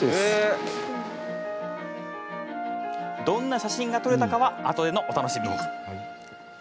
どんな写真が撮れたのかはあとでのお楽しみに。